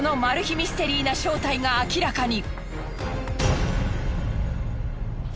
ミステリーな正体が明らかに！